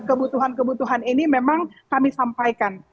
kebutuhan kebutuhan ini memang kami sampaikan